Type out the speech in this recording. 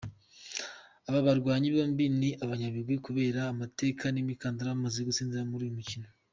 Aba barwanyi bombi ni abanyabigwi kubera amateka n’imikandara bamaze gutsindira muri uyu mukino.